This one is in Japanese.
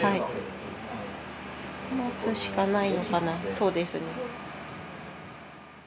そうですね。